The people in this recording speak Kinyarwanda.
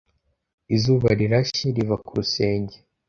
Izuba Rirashe riva kurusenge